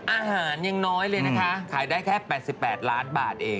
อาหารยังน้อยเลยนะคะขายได้แค่๘๘ล้านบาทเอง